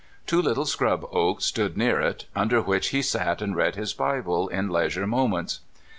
Two little scrub oaks stood near it, under which he sat and read his Bible in leisure moments.